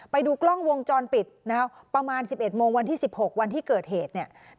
ไปดูกล้องวงจรปิดนะครับประมาณสิบเอ็ดโมงวันที่สิบหกวันที่เกิดเหตุเนี่ย